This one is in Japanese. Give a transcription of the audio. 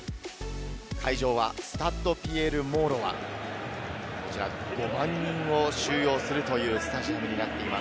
会場はスタッド・ピエール・モーロイは５万人を収容するというスタジアムです。